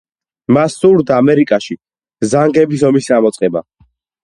მას სურდა ამერიკაში რასობრივი ომის წამოწყება.